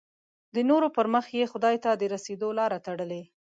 د نورو پر مخ یې خدای ته د رسېدو لاره تړلې.